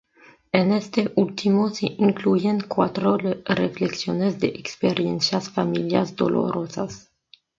En este último se incluyen cuatro reflexiones de experiencias familiares dolorosas.